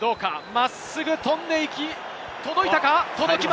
真っすぐ飛んで行き、届いたか？